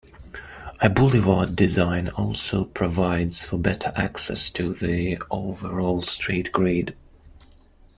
A boulevard design also provides for better access to the overall street grid.